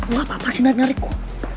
wah apaan sih ngarik ngarik gue